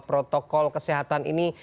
protokol kesehatan ini